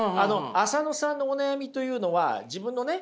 浅野さんのお悩みというのは自分のね